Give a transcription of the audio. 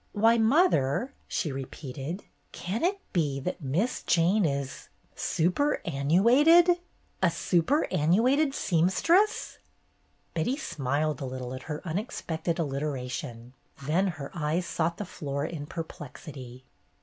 "Why, mother,'' she repeated, ''can it be that Miss Jane is — superannu ated ? A superannuated seamstress ?" Betty smiled a little at her unexpected allit eration, then her eyes sought the floor in perplexity.